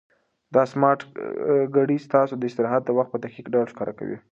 دا سمارټ ګړۍ ستاسو د استراحت وخت په دقیق ډول ښکاره کوي.